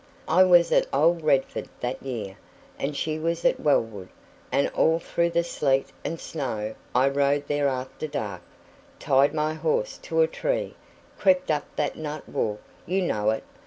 I was at old Redford that year, and she was at Wellwood, and all through the sleet and snow I rode there after dark, tied my horse to a tree, crept up that nut walk you know it?